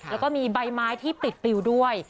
แล้วก็มีใบไม้ที่ปิดปลิวด้วย